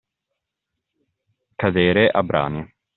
Cadere a brani.